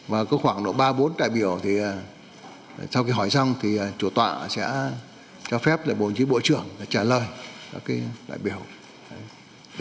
và có khoảng độ ba bốn đại biểu thì sau khi hỏi xong thì chủ tọa sẽ cho phép bộ trưởng trả lời các đại biểu